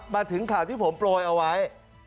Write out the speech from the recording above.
มาถึงข่าวที่ผมโปรยเอาไว้